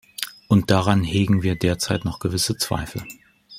Und daran hegen wir derzeit noch gewisse Zweifel.